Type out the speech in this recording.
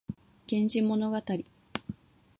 源氏物語